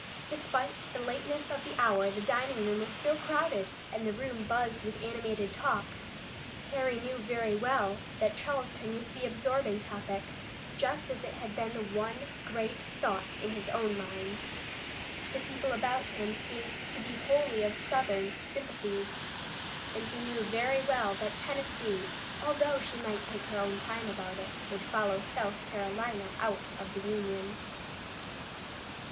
Despite the lateness of the hour the dining room was still crowded, and the room buzzed with animated talk. Harry knew very well that Charleston was the absorbing topic, just as it had been the one great thought in his own mind. The people about him seemed to be wholly of Southern sympathies, and he knew very well that Tennessee, although she might take her own time about it, would follow South Carolina out of the Union.